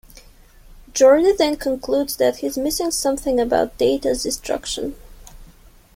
Geordi then concludes that he's missing something about Data's destruction.